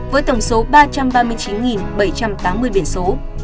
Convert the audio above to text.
với tổng số ba trăm ba mươi chín bảy trăm tám mươi biển số